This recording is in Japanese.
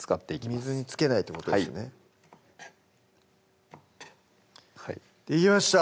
水につけないってことですねできました！